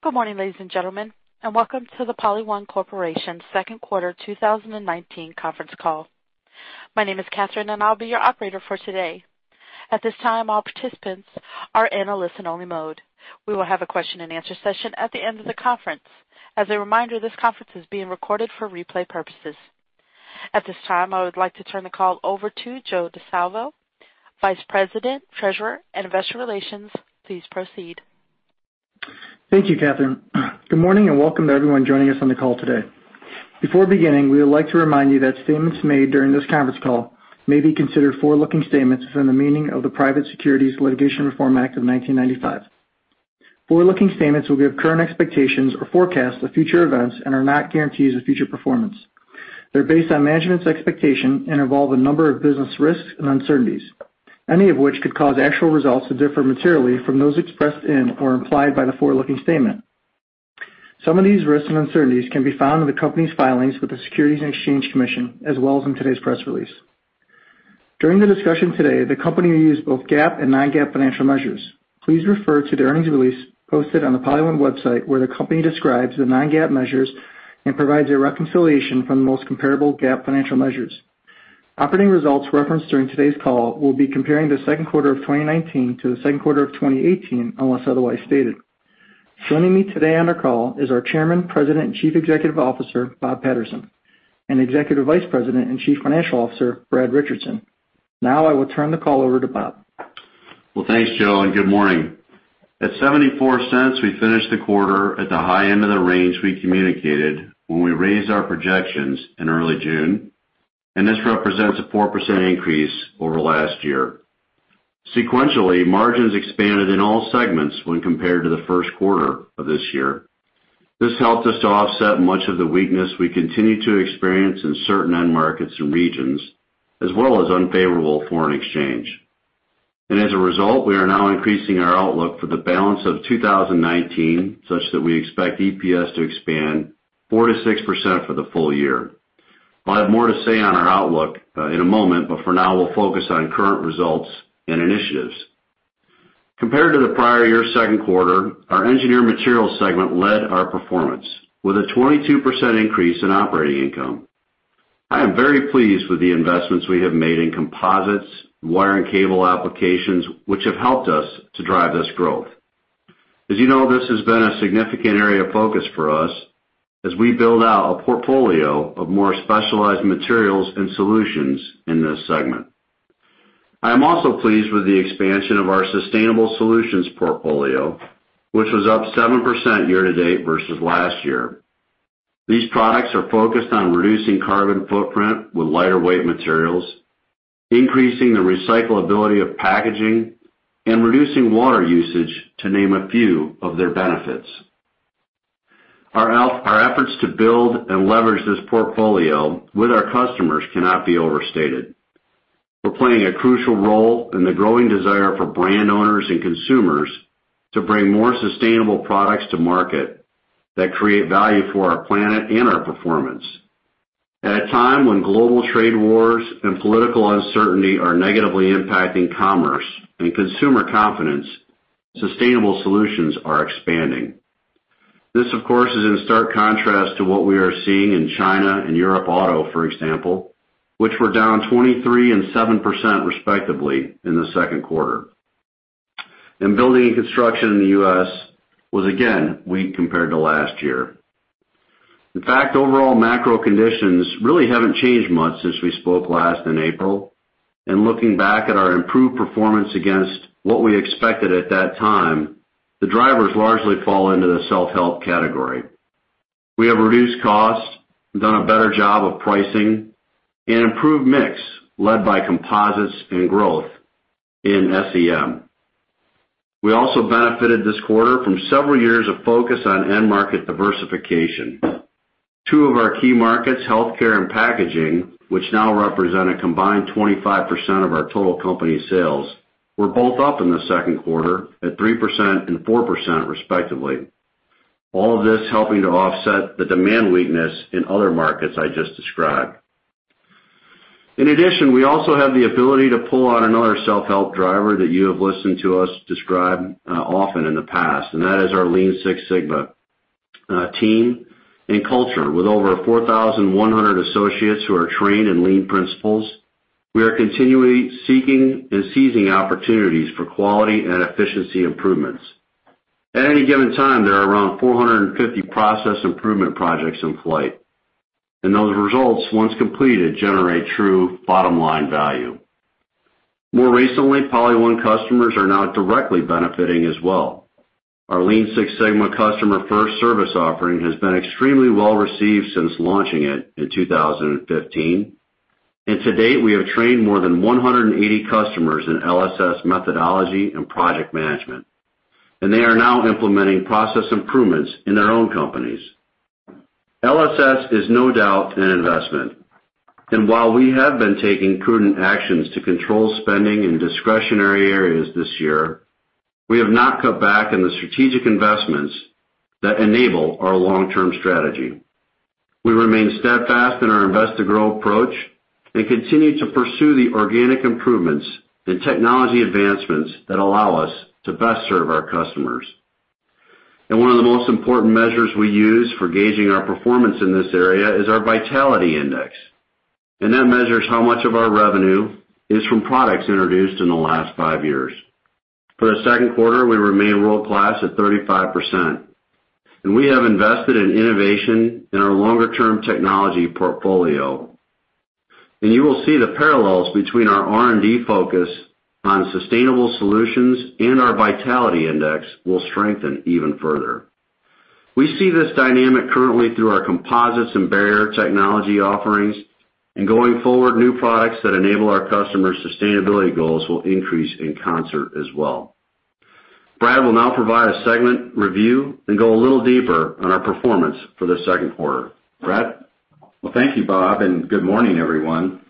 Good morning, ladies and gentlemen, and welcome to the PolyOne Corporation second quarter 2019 conference call. My name is Katherine, and I'll be your operator for today. At this time, all participants are in a listen-only mode. We will have a question and answer session at the end of the conference. As a reminder, this conference is being recorded for replay purposes. At this time, I would like to turn the call over to Joe DeSalvo, Vice President, Treasurer, and Investor Relations. Please proceed. Thank you, Katherine. Good morning, and welcome to everyone joining us on the call today. Before beginning, we would like to remind you that statements made during this conference call may be considered forward-looking statements within the meaning of the Private Securities Litigation Reform Act of 1995. Forward-looking statements will give current expectations or forecasts of future events and are not guarantees of future performance. They're based on management's expectation and involve a number of business risks and uncertainties, any of which could cause actual results to differ materially from those expressed in or implied by the forward-looking statement. Some of these risks and uncertainties can be found in the company's filings with the Securities and Exchange Commission, as well as in today's press release. During the discussion today, the company will use both GAAP and non-GAAP financial measures. Please refer to the earnings release posted on the PolyOne website, where the company describes the non-GAAP measures and provides a reconciliation from the most comparable GAAP financial measures. Operating results referenced during today's call will be comparing the second quarter of 2019 to the second quarter of 2018, unless otherwise stated. Joining me today on our call is our Chairman, President, and Chief Executive Officer, Bob Patterson, and Executive Vice President and Chief Financial Officer, Brad Richardson. Now I will turn the call over to Bob. Well, thanks, Joe, and good morning. At $0.74, we finished the quarter at the high end of the range we communicated when we raised our projections in early June, and this represents a 4% increase over last year. Sequentially, margins expanded in all segments when compared to the first quarter of this year. This helped us to offset much of the weakness we continue to experience in certain end markets and regions, as well as unfavorable foreign exchange. As a result, we are now increasing our outlook for the balance of 2019, such that we expect EPS to expand 4%-6% for the full year. I'll have more to say on our outlook in a moment, but for now, we'll focus on current results and initiatives. Compared to the prior year's second quarter, our Engineered Materials segment led our performance with a 22% increase in operating income. I am very pleased with the investments we have made in composites, wire and cable applications, which have helped us to drive this growth. As you know, this has been a significant area of focus for us as we build out a portfolio of more specialized materials and solutions in this segment. I am also pleased with the expansion of our sustainable solutions portfolio, which was up 7% year-to-date versus last year. These products are focused on reducing carbon footprint with lighter-weight materials, increasing the recyclability of packaging, and reducing water usage, to name a few of their benefits. Our efforts to build and leverage this portfolio with our customers cannot be overstated. We're playing a crucial role in the growing desire for brand owners and consumers to bring more sustainable products to market that create value for our planet and our performance. At a time when global trade wars and political uncertainty are negatively impacting commerce and consumer confidence, sustainable solutions are expanding. This, of course, is in stark contrast to what we are seeing in China and Europe auto, for example, which were down 23% and 7% respectively in the second quarter. Building and construction in the U.S. was again weak compared to last year. In fact, overall macro conditions really haven't changed much since we spoke last in April, and looking back at our improved performance against what we expected at that time, the drivers largely fall into the self-help category. We have reduced costs, done a better job of pricing, and improved mix led by composites and growth in SEM. We also benefited this quarter from several years of focus on end market diversification. Two of our key markets, healthcare and packaging, which now represent a combined 25% of our total company sales, were both up in the second quarter at 3% and 4% respectively. All of this helping to offset the demand weakness in other markets I just described. In addition, we also have the ability to pull out another self-help driver that you have listened to us describe often in the past, and that is our Lean Six Sigma team and culture. With over 4,100 associates who are trained in Lean principles, we are continually seeking and seizing opportunities for quality and efficiency improvements. At any given time, there are around 450 process improvement projects in flight, and those results, once completed, generate true bottom-line value. More recently, PolyOne customers are now directly benefiting as well. Our Lean Six Sigma customer-first service offering has been extremely well-received since launching it in 2015, and to date, we have trained more than 180 customers in LSS methodology and project management, and they are now implementing process improvements in their own companies. LSS is no doubt an investment, and while we have been taking prudent actions to control spending in discretionary areas this year, we have not cut back on the strategic investments that enable our long-term strategy. We remain steadfast in our invest-to-grow approach and continue to pursue the organic improvements and technology advancements that allow us to best serve our customers. One of the most important measures we use for gauging our performance in this area is our vitality index, and that measures how much of our revenue is from products introduced in the last five years. For the second quarter, we remain world-class at 35%. We have invested in innovation in our longer-term technology portfolio. You will see the parallels between our R&D focus on sustainable solutions and our vitality index will strengthen even further. We see this dynamic currently through our composites and barrier technology offerings, and going forward, new products that enable our customers' sustainability goals will increase in concert as well. Brad will now provide a segment review and go a little deeper on our performance for the second quarter. Brad? Well, thank you, Bob, and good morning, everyone.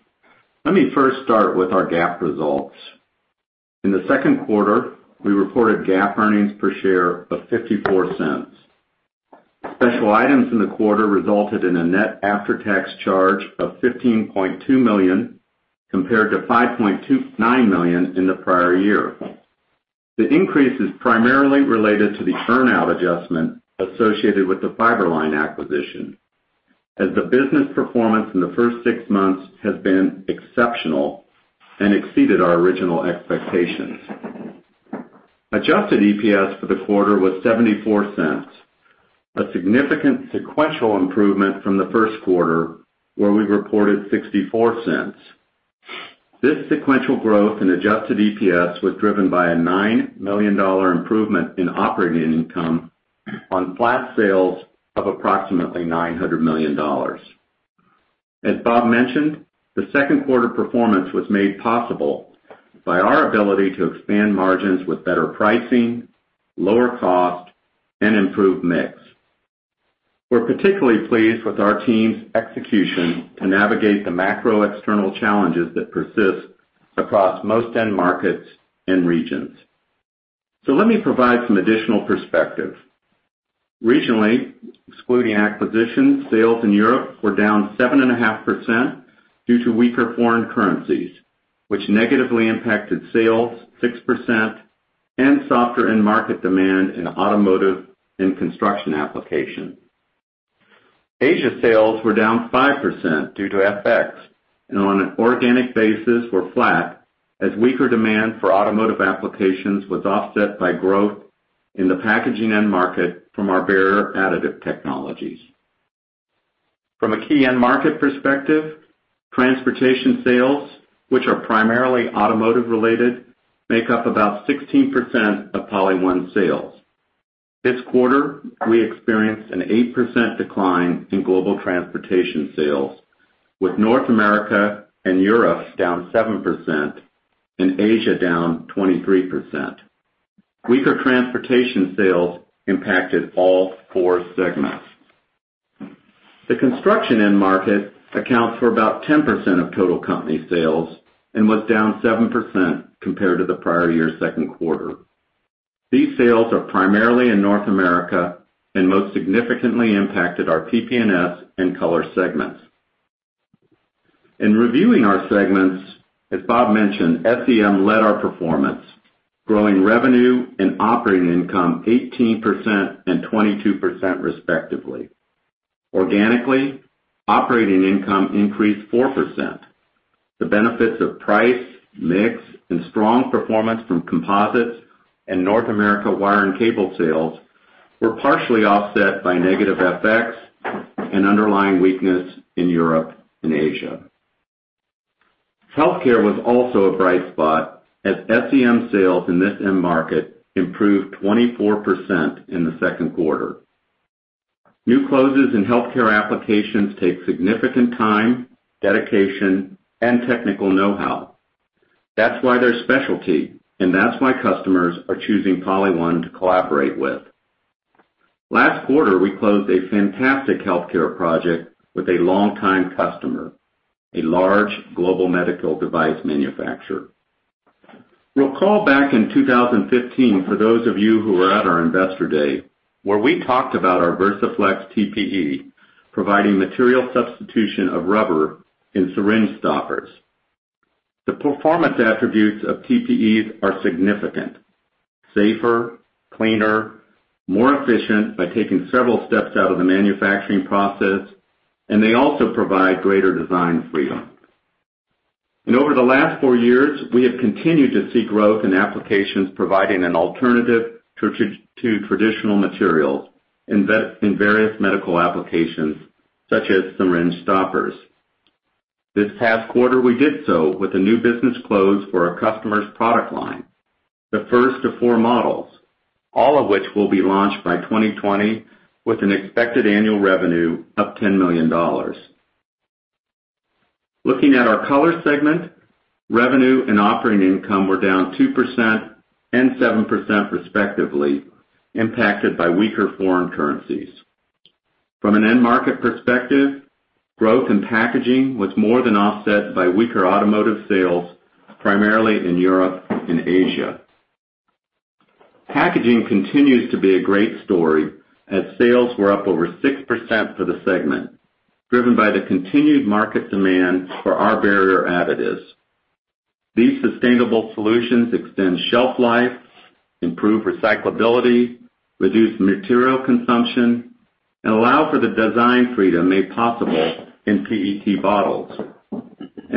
Let me first start with our GAAP results. In the second quarter, we reported GAAP earnings per share of $0.54. Special items in the quarter resulted in a net after-tax charge of $15.2 million, compared to $5.29 million in the prior year. The increase is primarily related to the earn-out adjustment associated with the Fiber-Line acquisition, as the business performance in the first six months has been exceptional and exceeded our original expectations. Adjusted EPS for the quarter was $0.74, a significant sequential improvement from the first quarter, where we reported $0.64. This sequential growth in adjusted EPS was driven by a $9 million improvement in operating income on flat sales of approximately $900 million. As Bob mentioned, the second quarter performance was made possible by our ability to expand margins with better pricing, lower cost, and improved mix. We're particularly pleased with our team's execution to navigate the macro external challenges that persist across most end markets and regions. Let me provide some additional perspective. Regionally, excluding acquisitions, sales in Europe were down 7.5% due to weaker foreign currencies, which negatively impacted sales 6% and softer end market demand in automotive and construction application. Asia sales were down 5% due to FX, and on an organic basis were flat, as weaker demand for automotive applications was offset by growth in the packaging end market from our barrier additive technologies. From a key end market perspective, transportation sales, which are primarily automotive-related, make up about 16% of PolyOne sales. This quarter, we experienced an 8% decline in global transportation sales, with North America and Europe down 7% and Asia down 23%. Weaker transportation sales impacted all four segments. The construction end market accounts for about 10% of total company sales and was down 7% compared to the prior year's second quarter. These sales are primarily in North America and most significantly impacted our PP&S and Color segments. In reviewing our segments, as Bob mentioned, SEM led our performance, growing revenue and operating income 18% and 22% respectively. Organically, operating income increased 4%. The benefits of price, mix, and strong performance from composites and North America wire and cable sales were partially offset by negative FX and underlying weakness in Europe and Asia. Healthcare was also a bright spot, as SEM sales in this end market improved 24% in the second quarter. New closes in healthcare applications take significant time, dedication, and technical know-how. That's why they're specialty, and that's why customers are choosing PolyOne to collaborate with. Last quarter, we closed a fantastic healthcare project with a longtime customer, a large global medical device manufacturer. Recall back in 2015, for those of you who were at our investor day, where we talked about our Versaflex TPE, providing material substitution of rubber in syringe stoppers. The performance attributes of TPEs are significant: safer, cleaner, more efficient by taking several steps out of the manufacturing process, and they also provide greater design freedom. Over the last four years, we have continued to see growth in applications providing an alternative to traditional materials in various medical applications, such as syringe stoppers. This past quarter, we did so with a new business close for a customer's product line, the first of four models, all of which will be launched by 2020 with an expected annual revenue of $10 million. Looking at our Color segment, revenue and operating income were down 2% and 7% respectively, impacted by weaker foreign currencies. From an end market perspective, growth in packaging was more than offset by weaker automotive sales, primarily in Europe and Asia. Packaging continues to be a great story, as sales were up over 6% for the segment, driven by the continued market demand for our barrier additives. These sustainable solutions extend shelf life, improve recyclability, reduce material consumption, and allow for the design freedom made possible in PET bottles.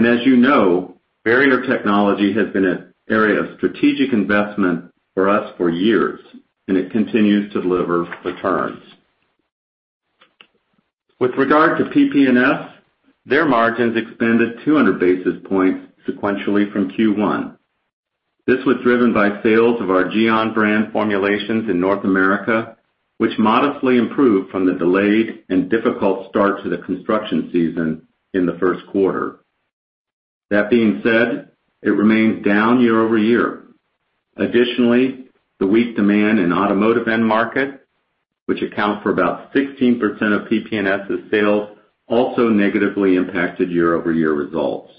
As you know, barrier technology has been an area of strategic investment for us for years, and it continues to deliver returns. With regard to PP&S, their margins expanded 200 basis points sequentially from Q1. This was driven by sales of our Geon brand formulations in North America, which modestly improved from the delayed and difficult start to the construction season in the first quarter. That being said, it remains down year-over-year. Additionally, the weak demand in automotive end market, which accounts for about 16% of PP&S's sales, also negatively impacted year-over-year results.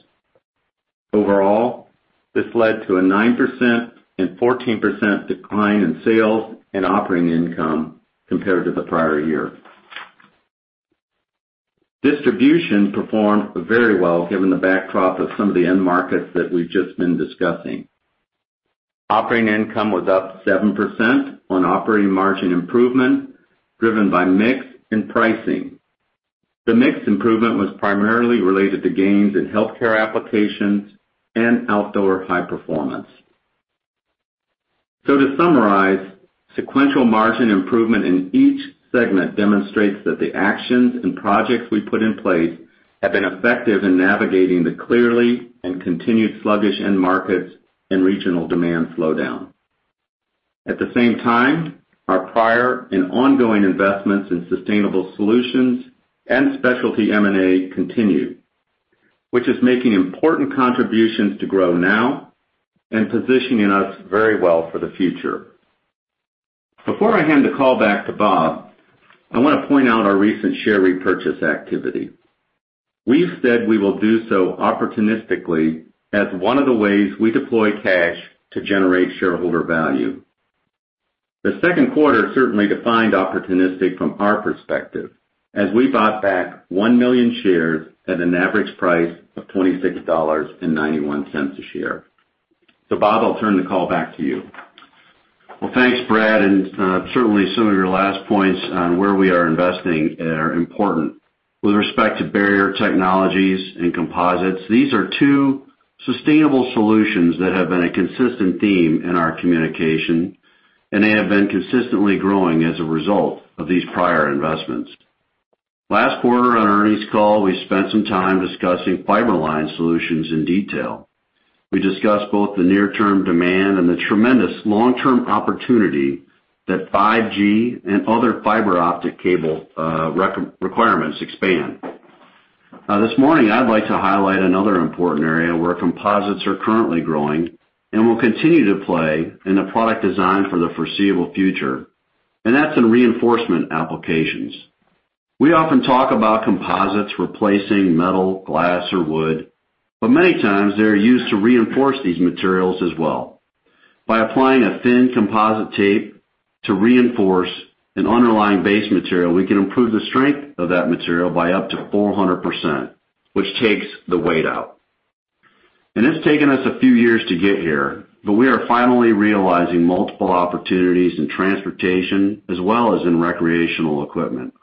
Overall, this led to a 9% and 14% decline in sales and operating income compared to the prior year. Distribution performed very well given the backdrop of some of the end markets that we've just been discussing. Operating income was up 7% on operating margin improvement, driven by mix and pricing. The mix improvement was primarily related to gains in healthcare applications and outdoor high performance. To summarize, sequential margin improvement in each segment demonstrates that the actions and projects we put in place have been effective in navigating the clearly and continued sluggish end markets and regional demand slowdown. At the same time, our prior and ongoing investments in sustainable solutions and specialty M&A continue, which is making important contributions to grow now and positioning us very well for the future. Before I hand the call back to Bob, I want to point out our recent share repurchase activity. We've said we will do so opportunistically as one of the ways we deploy cash to generate shareholder value. The second quarter certainly defined opportunistic from our perspective, as we bought back 1 million shares at an average price of $26.91 a share. Bob, I'll turn the call back to you. Well, thanks, Brad. Certainly some of your last points on where we are investing are important. With respect to barrier technologies and composites, these are two sustainable solutions that have been a consistent theme in our communication, and they have been consistently growing as a result of these prior investments. Last quarter on earnings call, we spent some time discussing Fiber-Line solutions in detail. We discussed both the near-term demand and the tremendous long-term opportunity that 5G and other fiber optic cable requirements expand. This morning, I'd like to highlight another important area where composites are currently growing and will continue to play in the product design for the foreseeable future, and that's in reinforcement applications. We often talk about composites replacing metal, glass, or wood, but many times they're used to reinforce these materials as well. By applying a thin composite tape to reinforce an underlying base material, we can improve the strength of that material by up to 400%, which takes the weight out. It's taken us a few years to get here, but we are finally realizing multiple opportunities in transportation as well as in recreational equipment.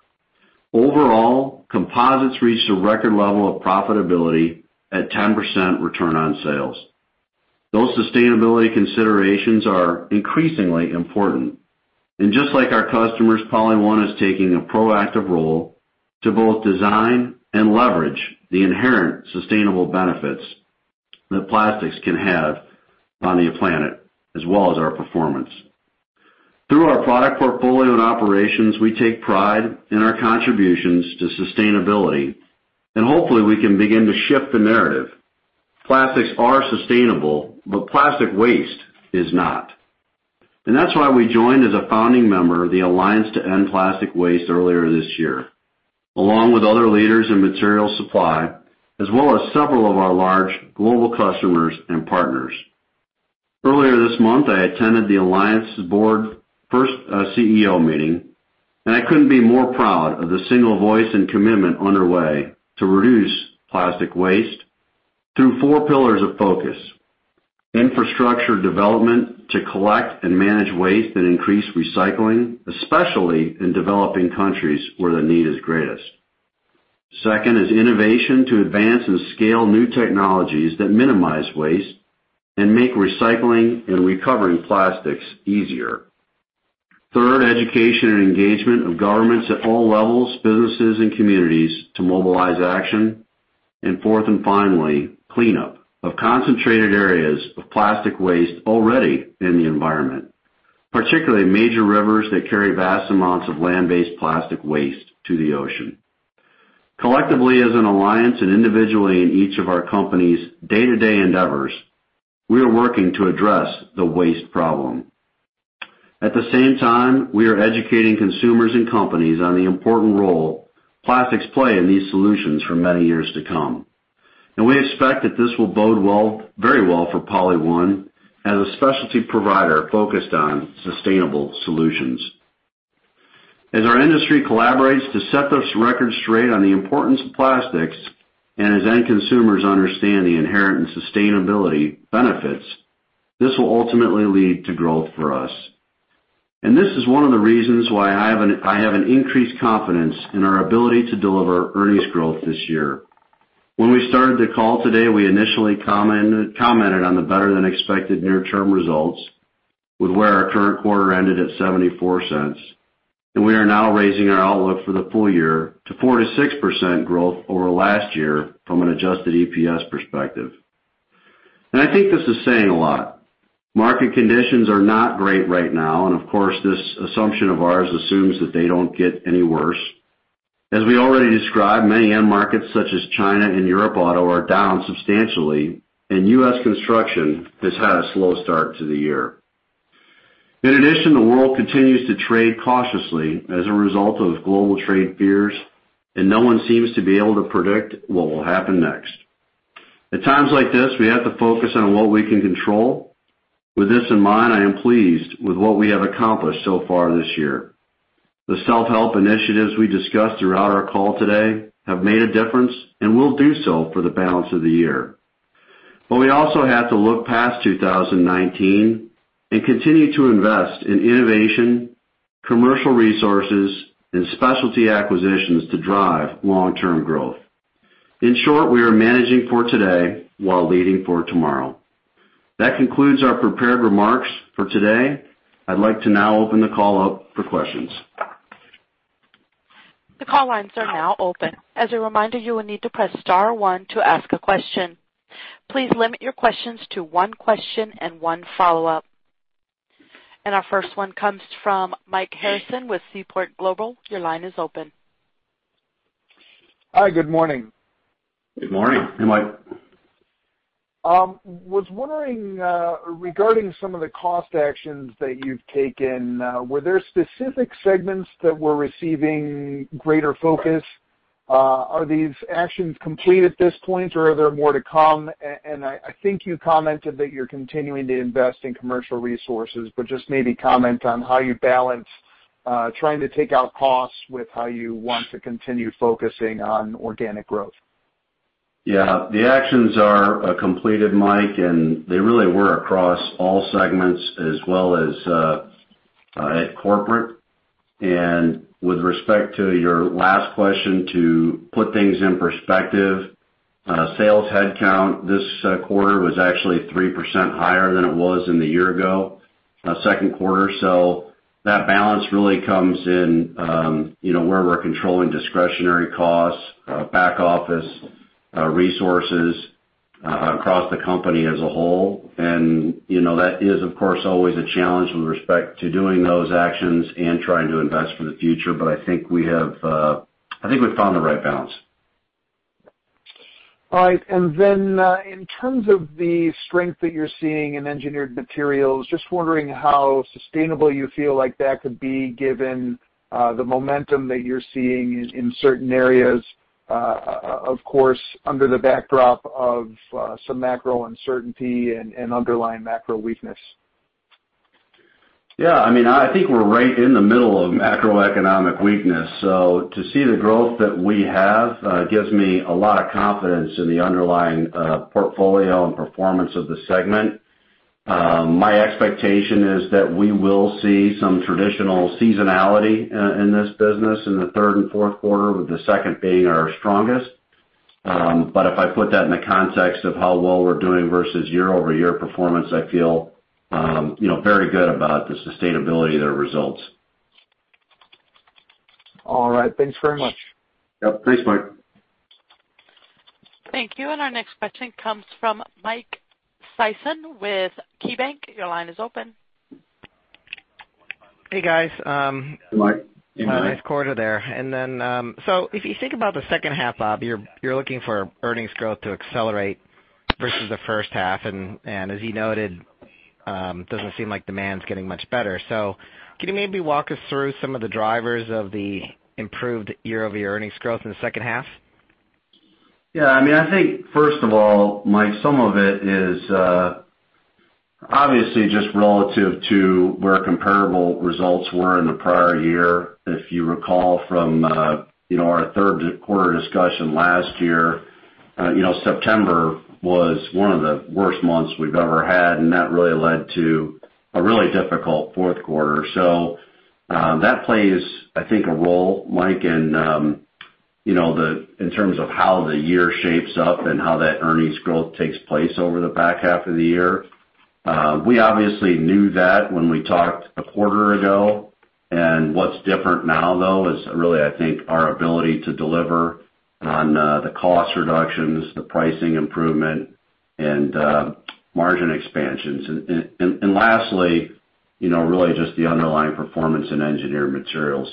Overall, composites reached a record level of profitability at 10% return on sales. Those sustainability considerations are increasingly important. Just like our customers, PolyOne is taking a proactive role to both design and leverage the inherent sustainable benefits that plastics can have on the planet, as well as our performance. Through our product portfolio and operations, we take pride in our contributions to sustainability, and hopefully we can begin to shift the narrative. Plastics are sustainable, but plastic waste is not. That's why we joined as a founding member of the Alliance to End Plastic Waste earlier this year, along with other leaders in material supply, as well as several of our large global customers and partners. Earlier this month, I attended the Alliance Board first CEO meeting, and I couldn't be more proud of the single voice and commitment underway to reduce plastic waste through four pillars of focus, infrastructure development to collect and manage waste and increase recycling, especially in developing countries where the need is greatest. Second is innovation to advance and scale new technologies that minimize waste and make recycling and recovering plastics easier. Third, education and engagement of governments at all levels, businesses, and communities to mobilize action. Fourth and finally, cleanup of concentrated areas of plastic waste already in the environment, particularly major rivers that carry vast amounts of land-based plastic waste to the ocean. Collectively, as an alliance and individually in each of our company's day-to-day endeavors, we are working to address the waste problem. At the same time, we are educating consumers and companies on the important role plastics play in these solutions for many years to come. We expect that this will bode very well for PolyOne as a specialty provider focused on sustainable solutions. As our industry collaborates to set this record straight on the importance of plastics, and as end consumers understand the inherent and sustainability benefits, this will ultimately lead to growth for us. This is one of the reasons why I have an increased confidence in our ability to deliver earnings growth this year. When we started the call today, we initially commented on the better-than-expected near-term results with where our current quarter ended at $0.74. We are now raising our outlook for the full year to 4%-6% growth over last year from an adjusted EPS perspective. I think this is saying a lot. Market conditions are not great right now. Of course, this assumption of ours assumes that they don't get any worse. As we already described, many end markets such as China and Europe Auto are down substantially. U.S. construction has had a slow start to the year. In addition, the world continues to trade cautiously as a result of global trade fears. No one seems to be able to predict what will happen next. At times like this, we have to focus on what we can control. With this in mind, I am pleased with what we have accomplished so far this year. The self-help initiatives we discussed throughout our call today have made a difference and will do so for the balance of the year. We also have to look past 2019 and continue to invest in innovation, commercial resources, and specialty acquisitions to drive long-term growth. In short, we are managing for today while leading for tomorrow. That concludes our prepared remarks for today. I'd like to now open the call up for questions. The call lines are now open. As a reminder, you will need to press star one to ask a question. Please limit your questions to one question and one follow-up. Our first one comes from Mike Harrison with Seaport Global. Your line is open. Hi, good morning. Good morning. Hey, Mike. Was wondering, regarding some of the cost actions that you've taken, were there specific segments that were receiving greater focus? Are these actions complete at this point, or are there more to come? I think you commented that you're continuing to invest in commercial resources, but just maybe comment on how you balance trying to take out costs with how you want to continue focusing on organic growth? Yeah. The actions are completed, Mike, and they really were across all segments as well as at corporate. With respect to your last question, to put things in perspective, sales headcount this quarter was actually 3% higher than it was in the year-ago second quarter. That balance really comes in where we're controlling discretionary costs, back office resources across the company as a whole. That is, of course, always a challenge with respect to doing those actions and trying to invest for the future. I think we've found the right balance. All right. In terms of the strength that you're seeing in engineered materials, just wondering how sustainable you feel like that could be given the momentum that you're seeing in certain areas, of course, under the backdrop of some macro uncertainty and underlying macro weakness. Yeah. I think we're right in the middle of macroeconomic weakness. To see the growth that we have gives me a lot of confidence in the underlying portfolio and performance of the segment. My expectation is that we will see some traditional seasonality in this business in the third and fourth quarter, with the second being our strongest. If I put that in the context of how well we're doing versus year-over-year performance, I feel very good about the sustainability of their results. All right. Thanks very much. Yep. Thanks, Mike. Thank you. Our next question comes from Mike Sison with KeyBanc. Your line is open. Hey, guys. Hey, Mike. Nice quarter there. If you think about the second half, Bob, you're looking for earnings growth to accelerate versus the first half. As you noted, it doesn't seem like demand's getting much better. Can you maybe walk us through some of the drivers of the improved year-over-year earnings growth in the second half? I think first of all, Mike, some of it is obviously just relative to where comparable results were in the prior year. If you recall from our third quarter discussion last year, September was one of the worst months we've ever had, and that really led to a really difficult fourth quarter. That plays, I think, a role, Mike, in terms of how the year shapes up and how that earnings growth takes place over the back half of the year. We obviously knew that when we talked a quarter ago. What's different now, though, is really, I think, our ability to deliver on the cost reductions, the pricing improvement, and margin expansions. Lastly, really just the underlying performance in engineered materials.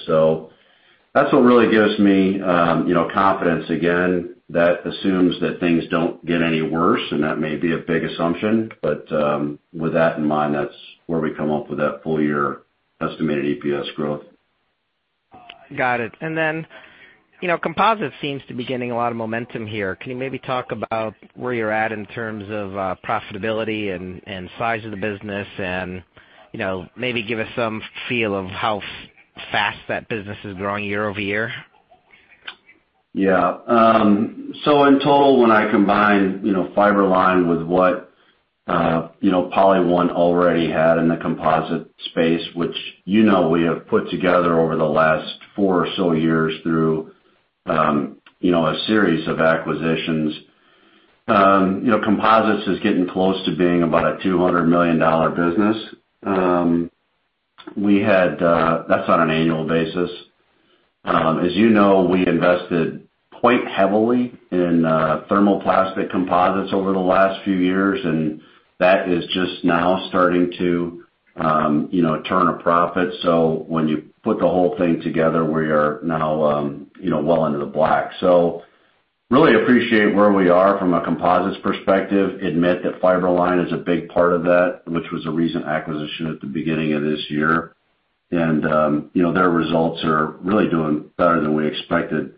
That's what really gives me confidence. Again, that assumes that things don't get any worse, and that may be a big assumption. With that in mind, that's where we come up with that full-year estimated EPS growth. Got it. Composite seems to be gaining a lot of momentum here. Can you maybe talk about where you're at in terms of profitability and size of the business and maybe give us some feel of how fast that business is growing year-over-year? Yeah. In total, when I combine Fiber-Line with what PolyOne already had in the composite space, which you know we have put together over the last four or so years through a series of acquisitions. Composites is getting close to being about a $200 million business. That's on an annual basis. As you know, we invested quite heavily in thermoplastic composites over the last few years, and that is just now starting to turn a profit. When you put the whole thing together, we are now well into the black. Really appreciate where we are from a composites perspective. Admit that Fiber-Line is a big part of that, which was a recent acquisition at the beginning of this year. Their results are really doing better than we expected.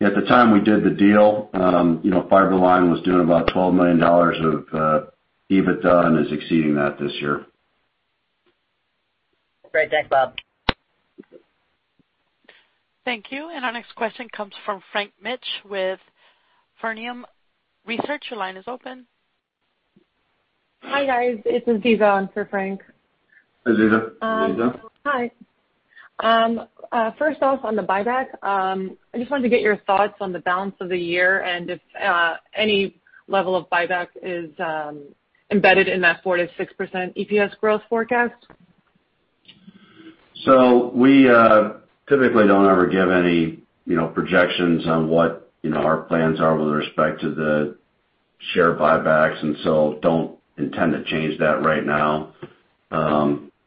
At the time we did the deal, Fiber-Line was doing about $12 million of EBITDA and is exceeding that this year. Great. Thanks, Bob. Thank you. Our next question comes from Frank Mitsch with Fermium Research. Your line is open. Hi, guys. It's Aziza on for Frank. Hi, Aziza. Hi. First off on the buyback, I just wanted to get your thoughts on the balance of the year and if any level of buyback is embedded in that 4%-6% EPS growth forecast. We typically don't ever give any projections on what our plans are with respect to the share buybacks, don't intend to change that right now.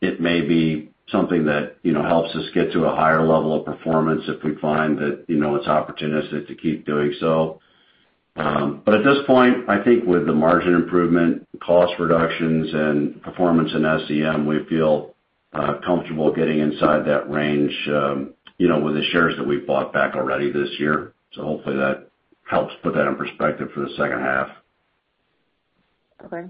It may be something that helps us get to a higher level of performance if we find that it's opportunistic to keep doing so. At this point, I think with the margin improvement, cost reductions, and performance in SCM, we feel comfortable getting inside that range with the shares that we've bought back already this year. Hopefully that helps put that in perspective for the second half. Okay.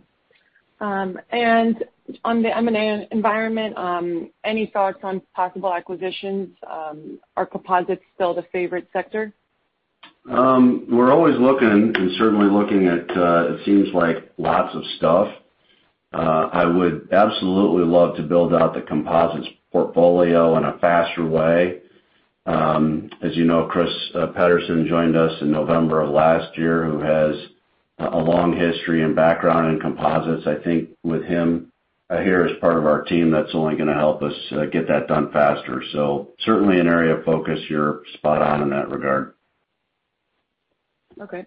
On the M&A environment, any thoughts on possible acquisitions? Are composites still the favorite sector? We're always looking and certainly looking at, it seems like lots of stuff. I would absolutely love to build out the composites portfolio in a faster way. As you know, Chris Pederson joined us in November of last year, who has a long history and background in composites. I think with him here as part of our team, that's only going to help us get that done faster. Certainly an area of focus. You're spot on in that regard. Okay.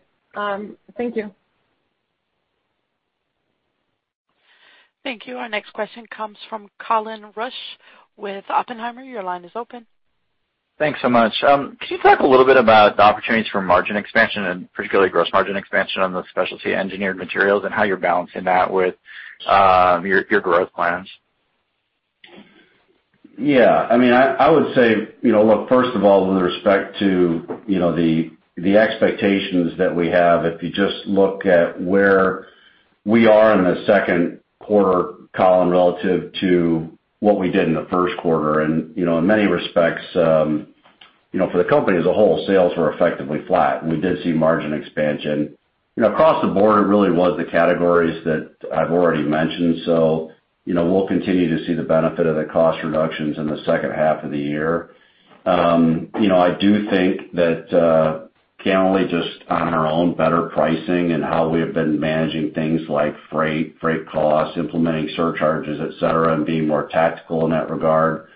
Thank you. Thank you. Our next question comes from Colin Rusch with Oppenheimer. Your line is open. Thanks so much. Can you talk a little bit about the opportunities for margin expansion, and particularly gross margin expansion on the Specialty Engineered Materials and how you're balancing that with your growth plans? I would say, look, first of all, with respect to the expectations that we have, if you just look at where we are in the second quarter column relative to what we did in the first quarter. In many respects, for the company as a whole, sales were effectively flat, and we did see margin expansion. Across the board, it really was the categories that I've already mentioned. We'll continue to see the benefit of the cost reductions in the second half of the year. I do think that generally just on our own better pricing and how we have been managing things like freight costs, implementing surcharges, et cetera, and being more tactical in that regard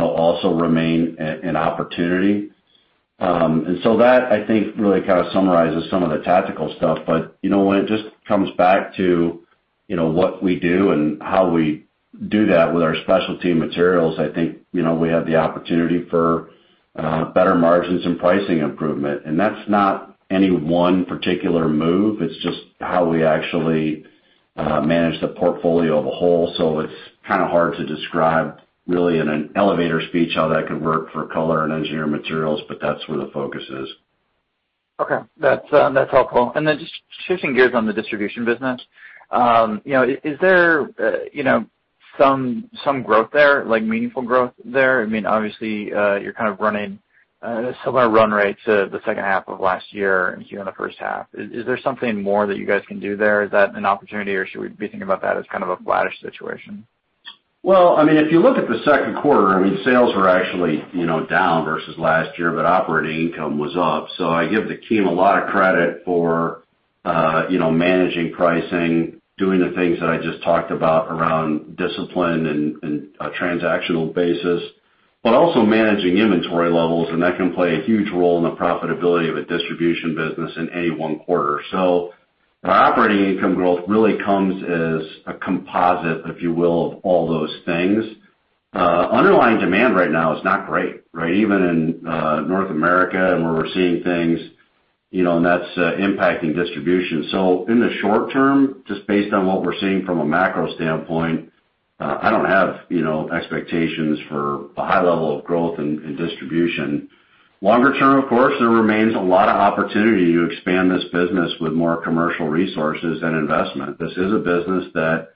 also remain an opportunity. That I think really kind of summarizes some of the tactical stuff. When it just comes back to what we do and how we do that with our specialty materials, I think we have the opportunity for better margins and pricing improvement. That's not any one particular move, it's just how we actually manage the portfolio of a whole. It's kind of hard to describe really in an elevator speech how that could work for color and engineered materials, but that's where the focus is. Okay. That's helpful. Just shifting gears on the distribution business. Is there some growth there, like meaningful growth there? Obviously, you're kind of running similar run rate to the second half of last year and here in the first half. Is there something more that you guys can do there? Is that an opportunity or should we be thinking about that as kind of a flattish situation? Well, if you look at the second quarter, sales were actually down versus last year, but operating income was up. I give the team a lot of credit for managing pricing, doing the things that I just talked about around discipline and transactional basis, but also managing inventory levels, and that can play a huge role in the profitability of a distribution business in any one quarter. Our operating income growth really comes as a composite, if you will, of all those things. Underlying demand right now is not great. Even in North America and where we're seeing things. That's impacting distribution. In the short term, just based on what we're seeing from a macro standpoint, I don't have expectations for a high level of growth in distribution. Longer term, of course, there remains a lot of opportunity to expand this business with more commercial resources and investment. This is a business that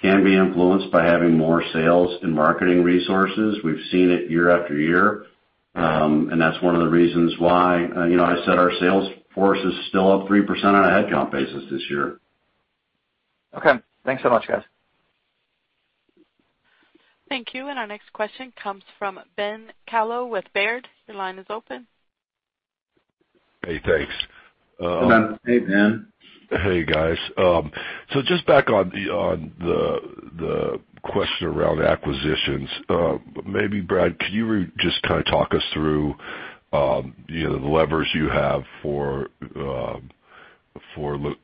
can be influenced by having more sales and marketing resources. We've seen it year after year, and that's one of the reasons why I said our sales force is still up 3% on a headcount basis this year. Okay. Thanks so much, guys. Thank you. Our next question comes from Ben Kallo with Baird. Your line is open. Hey, thanks. Hey, Ben. Hey, guys. Just back on the question around acquisitions. Maybe Brad, can you just kind of talk us through the levers you have for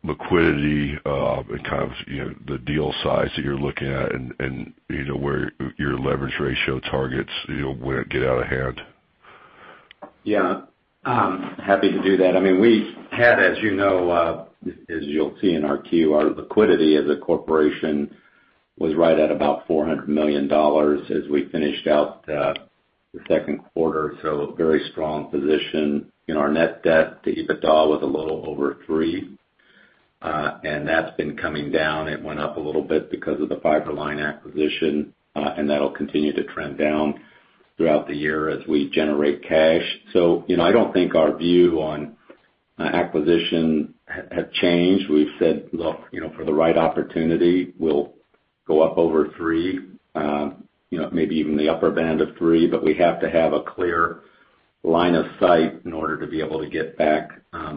liquidity, and kind of the deal size that you're looking at and where your leverage ratio targets would get out of hand? Yeah. Happy to do that. We had, as you'll see in our Q, our liquidity as a corporation was right at about $400 million as we finished out the second quarter. A very strong position in our net debt to EBITDA was a little over three. That's been coming down. It went up a little bit because of the Fiber-Line acquisition. That'll continue to trend down throughout the year as we generate cash. I don't think our view on acquisition have changed. We've said, look, for the right opportunity, we'll go up over three, maybe even the upper band of three, but we have to have a clear line of sight in order to be able to get back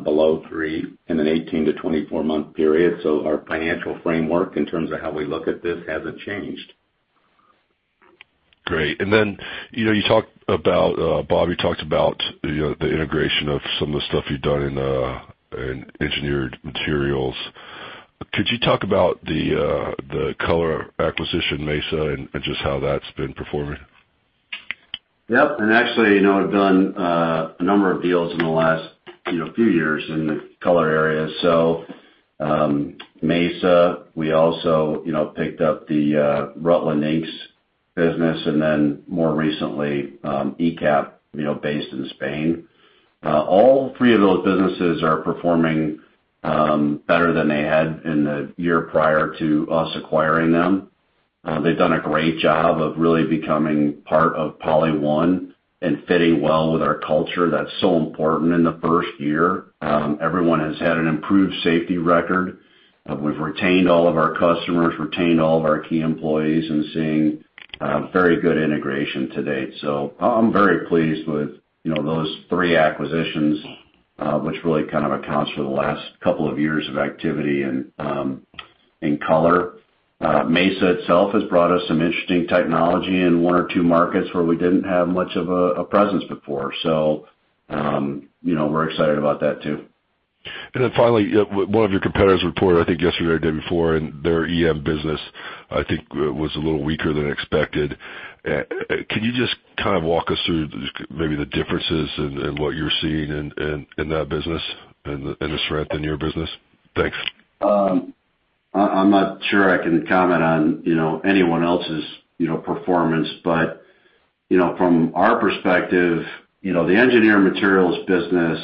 below three in an 18 to 24-month period. Our financial framework in terms of how we look at this hasn't changed. Great. Bob, you talked about the integration of some of the stuff you've done in Specialty Engineered Materials. Could you talk about the IQAP acquisition, Mesa, and just how that's been performing? Yep. Actually, we've done a number of deals in the last few years in the Color area. Mesa, we also picked up the Rutland Inks business, and then more recently, IQAP, based in Spain. All three of those businesses are performing better than they had in the year prior to us acquiring them. They've done a great job of really becoming part of PolyOne and fitting well with our culture. That's so important in the first year. Everyone has had an improved safety record. We've retained all of our customers, retained all of our key employees, and seeing very good integration to date. I'm very pleased with those three acquisitions, which really kind of accounts for the last couple of years of activity in Color. Mesa itself has brought us some interesting technology in one or two markets where we didn't have much of a presence before. We're excited about that too. Finally, one of your competitors reported, I think yesterday or day before, and their EM business, I think, was a little weaker than expected. Can you just kind of walk us through maybe the differences in what you're seeing in that business and the strength in your business? Thanks. I'm not sure I can comment on anyone else's performance, but from our perspective, the engineered materials business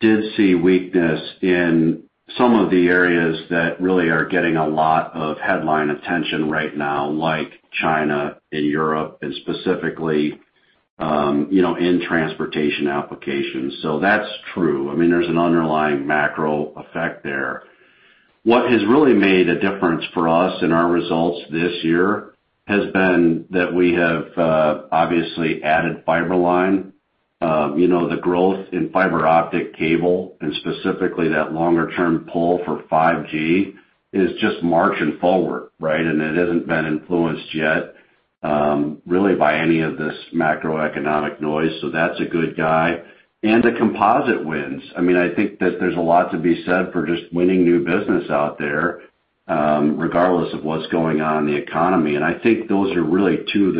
did see weakness in some of the areas that really are getting a lot of headline attention right now, like China and Europe, and specifically, in transportation applications. That's true. There's an underlying macro effect there. What has really made a difference for us in our results this year has been that we have obviously added Fiber-Line. The growth in fiber optic cable, and specifically that longer term pull for 5G is just marching forward, right? It hasn't been influenced yet, really by any of this macroeconomic noise, so that's a good guy. The composite wins. I think that there's a lot to be said for just winning new business out there, regardless of what's going on in the economy. I think those are really two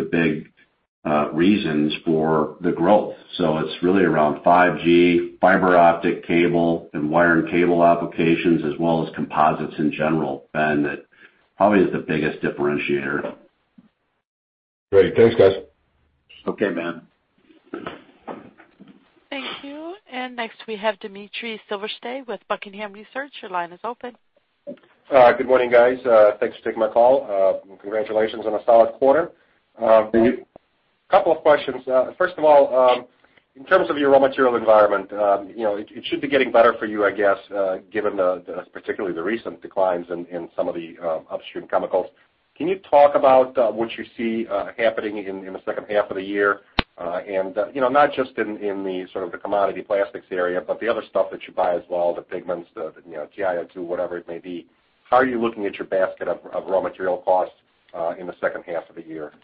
of the big reasons for the growth. It's really around 5G, fiber optic cable, and wire and cable applications, as well as composites in general, Ben, that probably is the biggest differentiator. Great. Thanks, guys. Okay, Ben. Thank you. Next we have Dmitry Silversteyn with Buckingham Research. Your line is open. Good morning, guys. Thanks for taking my call. Congratulations on a solid quarter. A couple of questions. First of all, in terms of your raw material environment, it should be getting better for you, I guess, given particularly the recent declines in some of the upstream chemicals. Can you talk about what you see happening in the second half of the year? Not just in the sort of the commodity plastics area, but the other stuff that you buy as well, the pigments, the TiO2, whatever it may be. How are you looking at your basket of raw material costs in the second half of the year?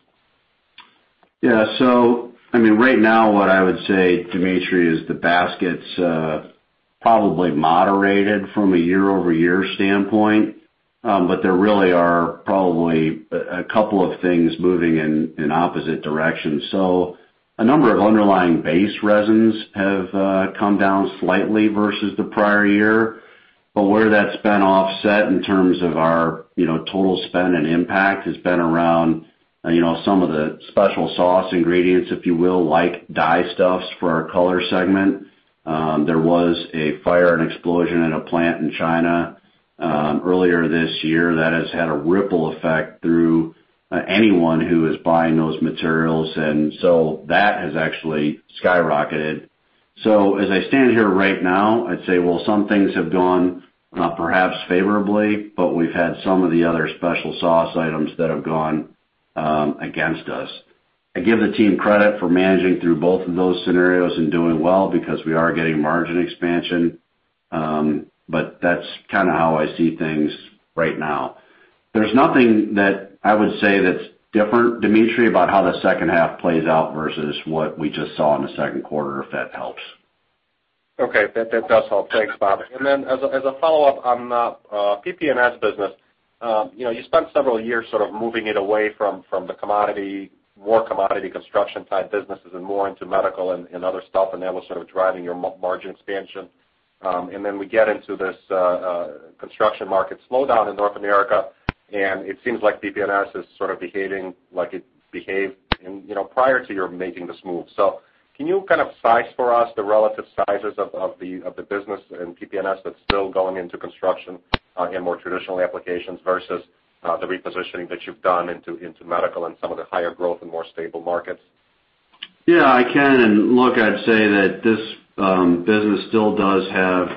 Right now, what I would say, Dmitry, is the basket's probably moderated from a year-over-year standpoint. There really are probably a couple of things moving in opposite directions. A number of underlying base resins have come down slightly versus the prior year. Where that's been offset in terms of our total spend and impact has been around some of the special sauce ingredients, if you will, like dye stuffs for our color segment. There was a fire and explosion at a plant in China earlier this year that has had a ripple effect through anyone who is buying those materials, and so that has actually skyrocketed. As I stand here right now, I'd say, well, some things have gone perhaps favorably, but we've had some of the other special sauce items that have gone against us. I give the team credit for managing through both of those scenarios and doing well because we are getting margin expansion. That's kind of how I see things right now. There's nothing that I would say that's different, Dmitry, about how the second half plays out versus what we just saw in the second quarter, if that helps. Okay, that does help. Thanks, Bob. As a follow-up on PP&S business. You spent several years sort of moving it away from the more commodity construction type businesses and more into medical and other stuff, and that was sort of driving your margin expansion. We get into this construction market slowdown in North America, and it seems like PP&S is sort of behaving like it behaved prior to your making this move. Can you kind of size for us the relative sizes of the business in PP&S that's still going into construction and more traditional applications versus the repositioning that you've done into medical and some of the higher growth and more stable markets? Yeah, I can. Look, I'd say that this business still does have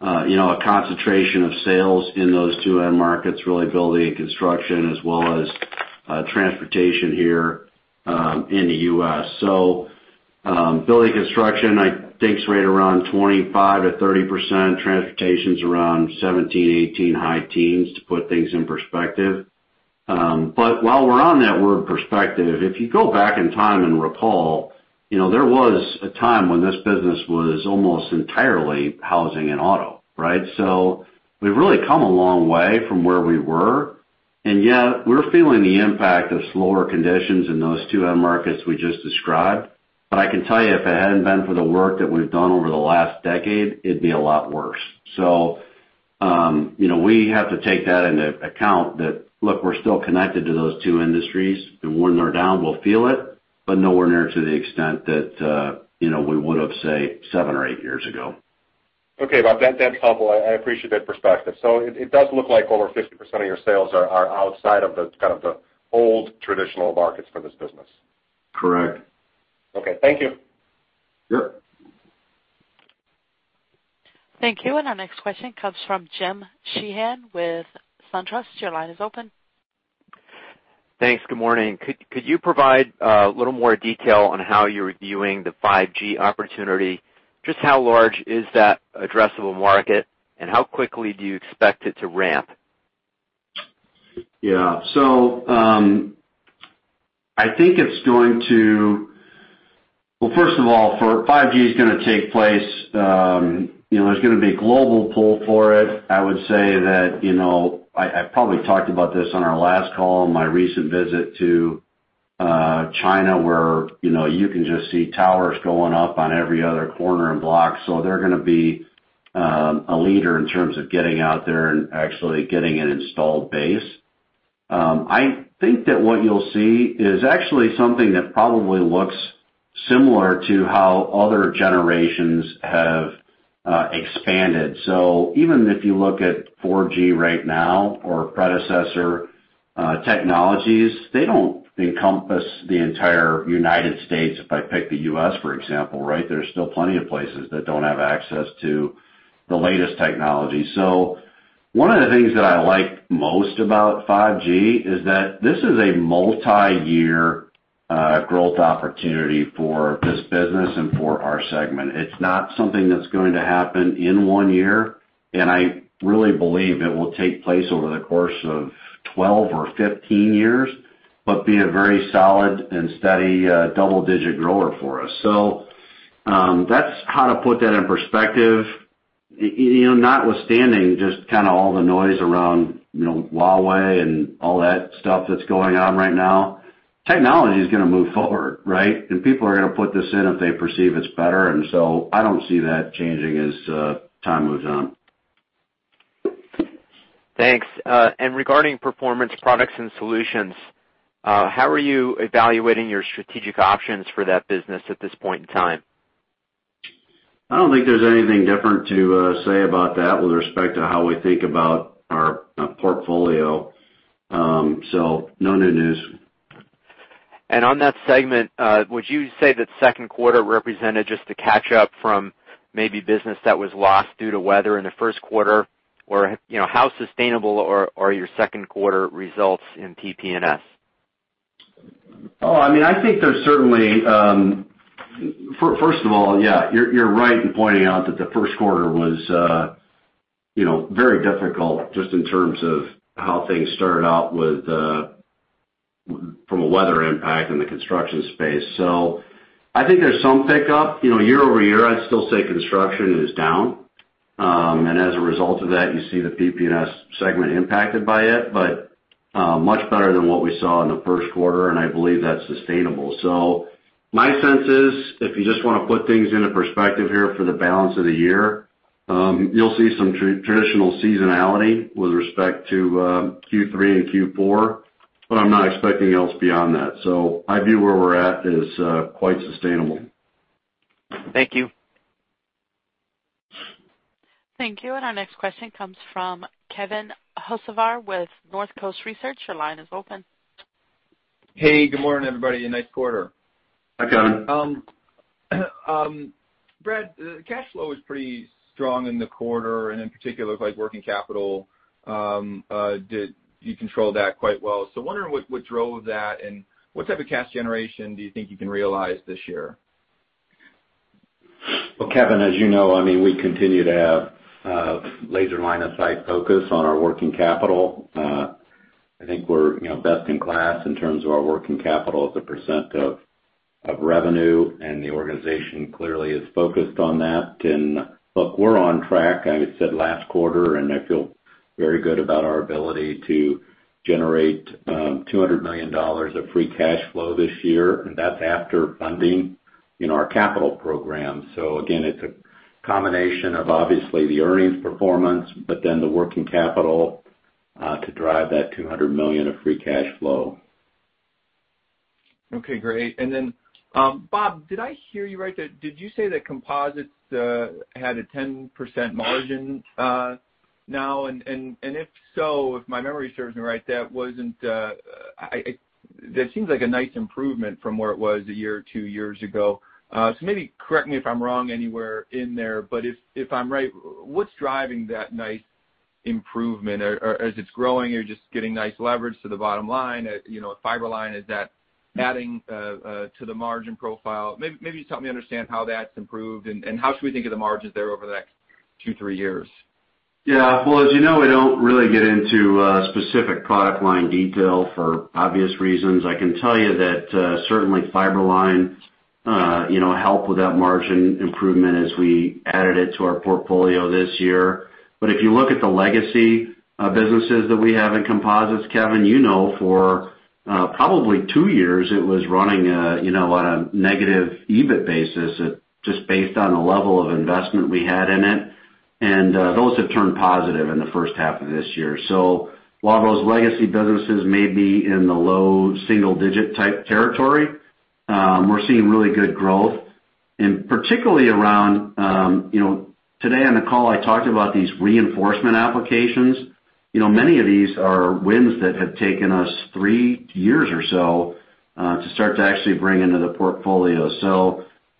a concentration of sales in those two end markets, really building and construction as well as transportation here in the U.S. Building construction, I think, is right around 25%-30%. Transportation's around 17%, 18%, high teens, to put things in perspective. While we're on that word perspective, if you go back in time and recall, there was a time when this business was almost entirely housing and auto, right? We've really come a long way from where we were, and yet we're feeling the impact of slower conditions in those two end markets we just described. I can tell you, if it hadn't been for the work that we've done over the last decade, it'd be a lot worse. We have to take that into account that, look, we're still connected to those two industries, and when they're down, we'll feel it, but nowhere near to the extent that we would have, say, seven or eight years ago. Okay, Bob, that's helpful. I appreciate that perspective. It does look like over 50% of your sales are outside of the kind of the old traditional markets for this business. Correct. Okay. Thank you. Yep. Thank you. Our next question comes from Jim Sheehan with SunTrust. Your line is open. Thanks. Good morning. Could you provide a little more detail on how you're reviewing the 5G opportunity? Just how large is that addressable market, and how quickly do you expect it to ramp? Yeah. I think, Well, first of all, 5G is going to take place. There's going to be global pull for it. I would say that, I probably talked about this on our last call, my recent visit to China, where you can just see towers going up on every other corner and block. They're going to be a leader in terms of getting out there and actually getting an installed base. I think that what you'll see is actually something that probably looks similar to how other generations have expanded. Even if you look at 4G right now or predecessor technologies, they don't encompass the entire United States, if I pick the U.S., for example, right? There's still plenty of places that don't have access to the latest technology. One of the things that I like most about 5G is that this is a multi-year growth opportunity for this business and for our segment. It's not something that's going to happen in one year, and I really believe it will take place over the course of 12 or 15 years, but be a very solid and steady double-digit grower for us. That's how to put that in perspective, notwithstanding just kind of all the noise around Huawei and all that stuff that's going on right now. Technology's going to move forward, right? People are going to put this in if they perceive it's better, and so I don't see that changing as time moves on. Thanks. Regarding Performance Products and Solutions, how are you evaluating your strategic options for that business at this point in time? I don't think there's anything different to say about that with respect to how we think about our portfolio. No new news. On that segment, would you say that second quarter represented just a catch up from maybe business that was lost due to weather in the first quarter? How sustainable are your second quarter results in PP&S? First of all, yeah, you're right in pointing out that the first quarter was very difficult just in terms of how things started out From a weather impact in the construction space. I think there's some pickup. Year-over-year, I'd still say construction is down. As a result of that, you see the PP&S segment impacted by it, but much better than what we saw in the first quarter, and I believe that's sustainable. My sense is, if you just want to put things into perspective here for the balance of the year, you'll see some traditional seasonality with respect to Q3 and Q4, but I'm not expecting else beyond that. My view where we're at is quite sustainable. Thank you. Thank you. Our next question comes from Kevin Hocevar with Northcoast Research. Your line is open. Hey, good morning, everybody. A nice quarter. Hi, Kevin. Brad, the cash flow is pretty strong in the quarter, and in particular, like working capital. You control that quite well. Wondering what drove that, and what type of cash generation do you think you can realize this year? Well, Kevin, as you know, we continue to have a laser line of sight focus on our working capital. I think we're best in class in terms of our working capital as a % of revenue, and the organization clearly is focused on that. Look, we're on track. I said last quarter, and I feel very good about our ability to generate $200 million of free cash flow this year, and that's after funding our capital program. Again, it's a combination of obviously the earnings performance, but then the working capital to drive that $200 million of free cash flow. Okay, great. Bob, did I hear you right there? Did you say that composites had a 10% margin now? If so, if my memory serves me right, that seems like a nice improvement from where it was a year or two years ago. Maybe correct me if I'm wrong anywhere in there, but if I'm right, what's driving that nice improvement? As it's growing, you're just getting nice leverage to the bottom line. Fiber-Line, is that adding to the margin profile? Maybe just help me understand how that's improved, and how should we think of the margins there over the next two, three years? Yeah. Well, as you know, we don't really get into specific product line detail for obvious reasons. I can tell you that certainly Fiber-Line helped with that margin improvement as we added it to our portfolio this year. If you look at the legacy businesses that we have in composites, Kevin, you know for probably two years, it was running on a negative EBIT basis, just based on the level of investment we had in it, and those have turned positive in the first half of this year. While those legacy businesses may be in the low single-digit type territory, we're seeing really good growth. Particularly around, today on the call, I talked about these reinforcement applications. Many of these are wins that have taken us three years or so to start to actually bring into the portfolio.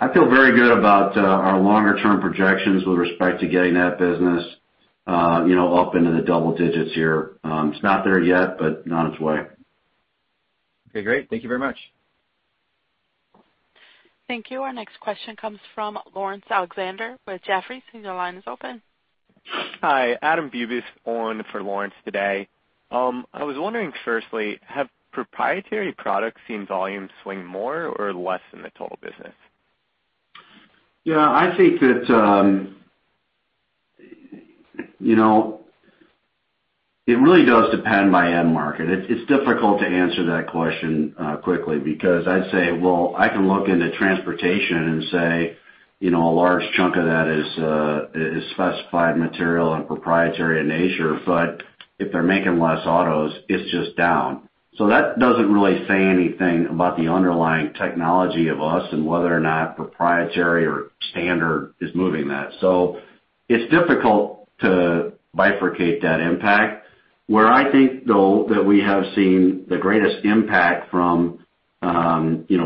I feel very good about our longer-term projections with respect to getting that business up into the double digits here. It's not there yet, but on its way. Okay, great. Thank you very much. Thank you. Our next question comes from Laurence Alexander with Jefferies. Your line is open. Hi, Adam Bubes on for Laurence today. I was wondering, firstly, have proprietary products seen volumes swing more or less than the total business? Yeah, I think that it really does depend by end market. It's difficult to answer that question quickly, because I'd say, well, I can look into transportation and say a large chunk of that is specified material and proprietary in nature, but if they're making less autos, it's just down. That doesn't really say anything about the underlying technology of us and whether or not proprietary or standard is moving that. It's difficult to bifurcate that impact. Where I think, though, that we have seen the greatest impact from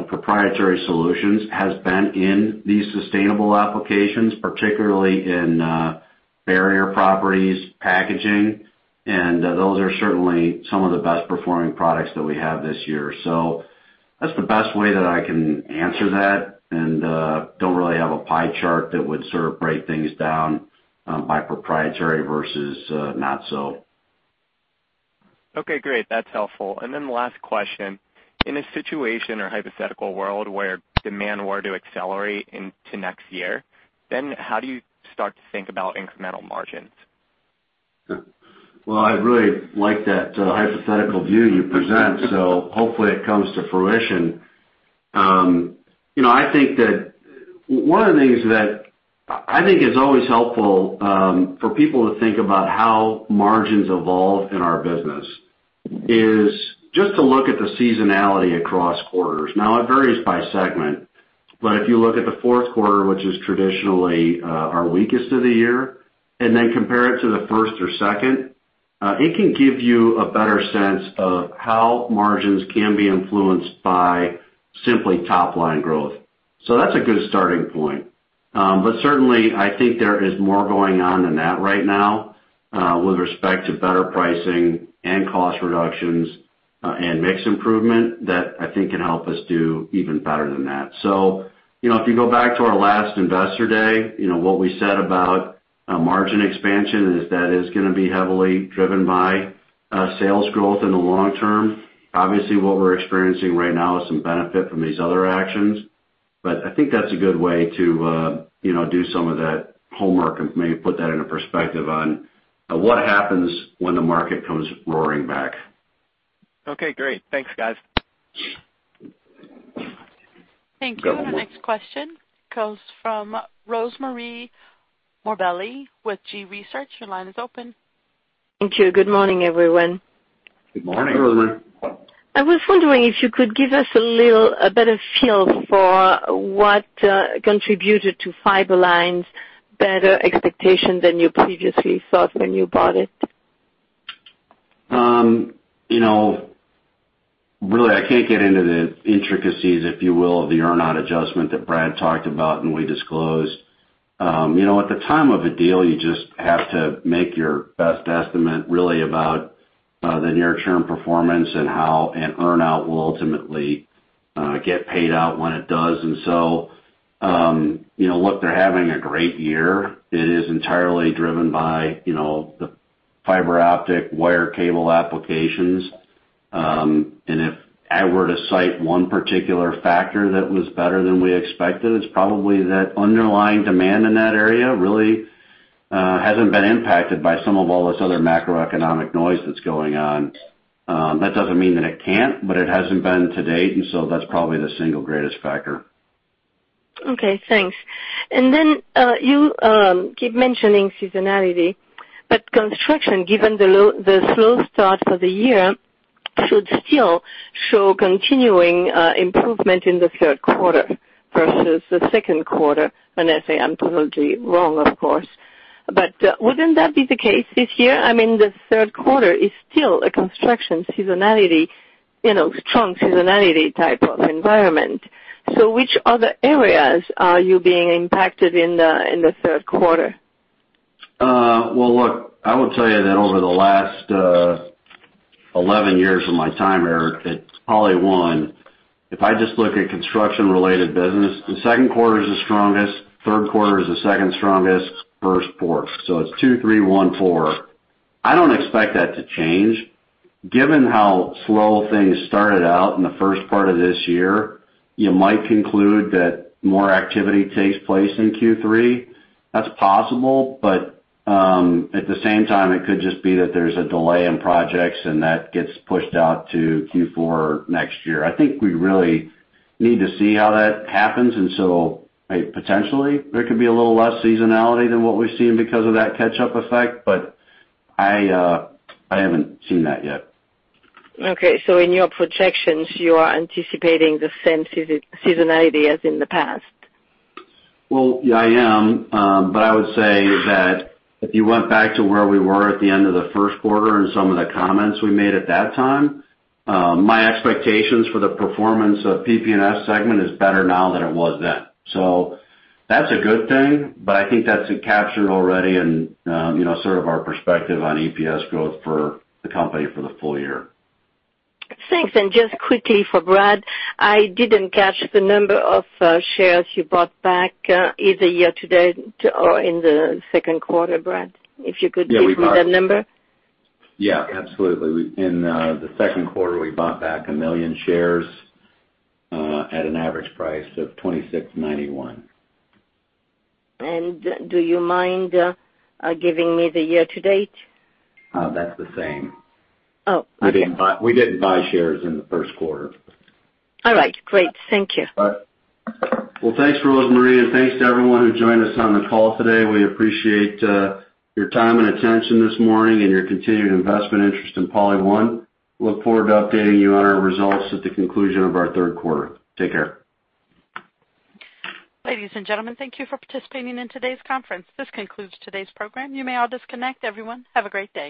proprietary solutions has been in these sustainable applications, particularly in barrier properties, packaging, and those are certainly some of the best performing products that we have this year. That's the best way that I can answer that, and don't really have a pie chart that would sort of break things down by proprietary versus not so. Okay, great. That's helpful. The last question: in a situation or hypothetical world where demand were to accelerate into next year, then how do you start to think about incremental margins? Well, I really like that hypothetical view you present. Hopefully it comes to fruition. I think that one of the things that I think is always helpful for people to think about how margins evolve in our business is just to look at the seasonality across quarters. It varies by segment. If you look at the fourth quarter, which is traditionally our weakest of the year, then compare it to the first or second, it can give you a better sense of how margins can be influenced by simply top-line growth. That's a good starting point. Certainly, I think there is more going on than that right now with respect to better pricing and cost reductions and mix improvement that I think can help us do even better than that. If you go back to our last Investor Day, what we said about margin expansion is that is going to be heavily driven by sales growth in the long term. Obviously, what we're experiencing right now is some benefit from these other actions. I think that's a good way to do some of that homework and maybe put that into perspective on what happens when the market comes roaring back. Okay, great. Thanks, guys. Thank you. Our next question comes from Rosemarie Morbelli with G.research. Your line is open. Thank you. Good morning, everyone. Good morning. Good morning. I was wondering if you could give us a better feel for what contributed to Fiber-Line's better expectation than you previously thought when you bought it? Really, I can't get into the intricacies, if you will, of the earn-out adjustment that Brad talked about and we disclosed. At the time of a deal, you just have to make your best estimate, really about the near-term performance and how an earn-out will ultimately get paid out when it does. Look, they're having a great year. It is entirely driven by the fiber optic wire cable applications. If I were to cite one particular factor that was better than we expected, it's probably that underlying demand in that area really hasn't been impacted by some of all this other macroeconomic noise that's going on. That doesn't mean that it can't, but it hasn't been to date, and so that's probably the single greatest factor. Okay, thanks. Then you keep mentioning seasonality, but construction, given the slow start of the year, should still show continuing improvement in the third quarter versus the second quarter. Unless, I'm totally wrong, of course. Wouldn't that be the case this year? I mean, the third quarter is still a construction seasonality, strong seasonality type of environment. Which other areas are you being impacted in the third quarter? Look, I would tell you that over the last 11 years of my time here, at PolyOne, if I just look at construction-related business, the second quarter is the strongest, third quarter is the second strongest, first, fourth. It's two, three, one, four. I don't expect that to change. Given how slow things started out in the first part of this year, you might conclude that more activity takes place in Q3. That's possible, At the same time, it could just be that there's a delay in projects and that gets pushed out to Q4 next year. I think we really need to see how that happens. Potentially, there could be a little less seasonality than what we've seen because of that catch-up effect, I haven't seen that yet. Okay. In your projections, you are anticipating the same seasonality as in the past? Yeah, I am. I would say that if you went back to where we were at the end of the first quarter and some of the comments we made at that time, my expectations for the performance of PP&S segment is better now than it was then. That's a good thing, but I think that's captured already in sort of our perspective on EPS growth for the company for the full year. Thanks. Just quickly for Brad, I didn't catch the number of shares you bought back either year to date or in the second quarter, Brad. If you could give me that number. Yeah, absolutely. In the second quarter, we bought back 1 million shares at an average price of $26.91. Do you mind giving me the year to date? That's the same. Oh, okay. We didn't buy shares in the first quarter. All right, great. Thank you. Bye. Well, thanks, Rosemarie, and thanks to everyone who joined us on the call today. We appreciate your time and attention this morning and your continued investment interest in PolyOne. Look forward to updating you on our results at the conclusion of our third quarter. Take care. Ladies and gentlemen, thank you for participating in today's conference. This concludes today's program. You may all disconnect. Everyone, have a great day.